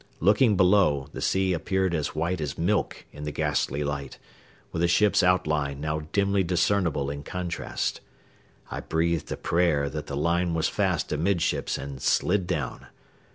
Looking below, the sea appeared as white as milk in the ghastly light, with the ship's outline now dimly discernible in contrast. I breathed a prayer that the line was fast amidships and slid down.